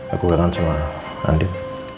aku kangen sama andin